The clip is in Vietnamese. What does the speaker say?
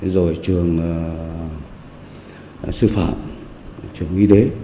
rồi trường sư phạm trường y đế